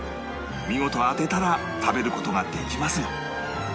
見事当てたら食べる事ができますが